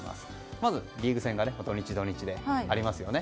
まずリーグ戦が土日でありますよね。